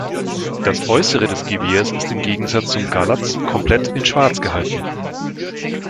Das Äußere des Gewehrs ist im Gegensatz zum Galatz komplett in Schwarz gehalten.